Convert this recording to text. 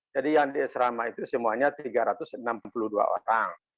jadi yang di asrama itu semuanya tiga ratus enam puluh dua orang